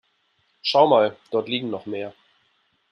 Schau mal, dort liegen noch mehr.